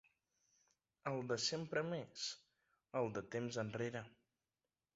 El de sempre més, el de temps enrere.